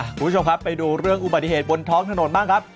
คุณผู้ชมครับไปดูเรื่องอุบัติเหตุบนท้องถนนบ้างครับ